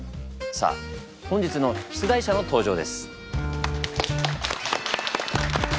さあ本日の出題者の登場です。